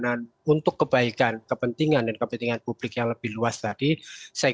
sikap kenegah rawanan untuk kebaikan kepentingan dan kepentingan publik yang lebih luas tadi saya